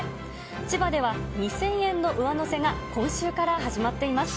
千葉では２０００円の上乗せが今週から始まっています。